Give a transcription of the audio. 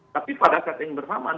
tapi pada saat yang bersamaan